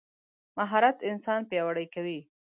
مهارت انسان پیاوړی کوي.